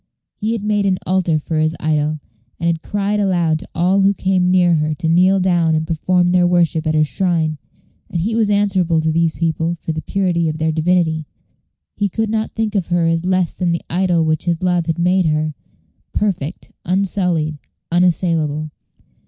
He had made an altar for his idol, and had cried aloud to all who came near her to kneel down and perform their worship at her shrine, and he was answerable to these people for the purity of their divinity. He could not think of her as less than the idol which his love had made her perfect, unsullied, unassailable.